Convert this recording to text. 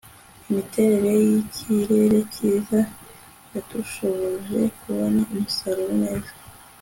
imiterere yikirere cyiza yadushoboje kubona umusaruro neza